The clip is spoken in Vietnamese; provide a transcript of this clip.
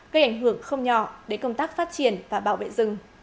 gây ảnh hưởng không nhỏ đến công tác phát triển và bảo vệ rừng